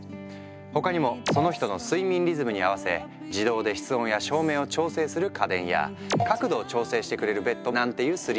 他にもその人の睡眠リズムに合わせ自動で室温や照明を調整する家電や角度を調整してくれるベッドなんていうスリープテックも。